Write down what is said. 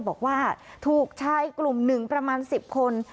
บอกว่าถูกชายกลุ่มหนึ่งประมาณ๑๐คน